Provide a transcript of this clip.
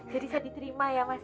serisa diterima ya mas